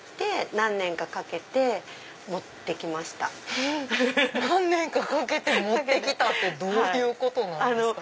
何年かかけて持って来たってどういうことなんですか？